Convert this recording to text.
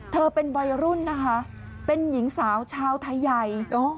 เป็นวัยรุ่นนะคะเป็นหญิงสาวชาวไทยใหญ่